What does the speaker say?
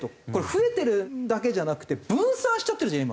増えてるだけじゃなくて分散しちゃってるじゃん